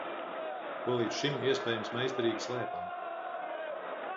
Ko līdz šim, iespējams, meistarīgi slēpām.